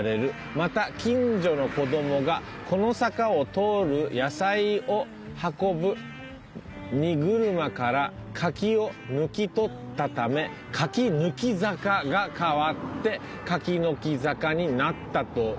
「また近所の子供がこの坂を通る野菜を運ぶ荷車から柿を抜き取ったため“柿抜き坂”が変わって柿の木坂になったという説もある」